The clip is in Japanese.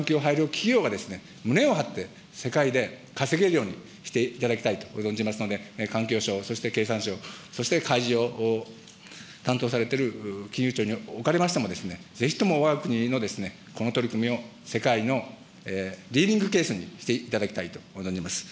企業が、胸を張って世界で稼げるようにしていただきたいと存じますので、環境省、そして経産省、そして開示を担当されてる金融庁におかれましても、ぜひともわが国のこの取り組みを世界のリーディングケースにしていただきたいと思います。